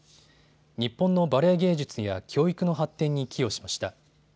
日本のバレエ芸術や教育の発展に寄与しました。